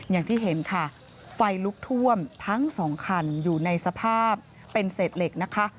อย่างที่เห็นค่ะไฟลุกท่วมทั้งสองคันอยู่ในสภาพเป็นเศษเหล็กนะคะ